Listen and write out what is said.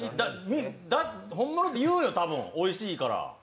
ホンモノって言うよ、おいしいから。